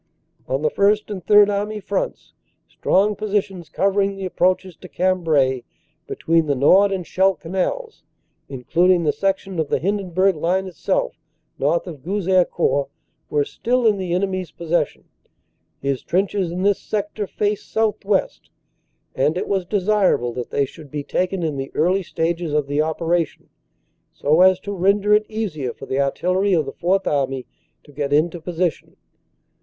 "On the First and Third Army fronts strong positions cov ering the approaches to Cambrai between the Nord and Scheldt canals, including the section of the Hindenburg line itself north of Gouzeaucourt, were still in the enemy s posses sion. His trenches in this sector faced southwest, and it was desirable that they should be taken in the early stages of the operation, so as to render it easier for the artillery of the Fourth Army to get into position.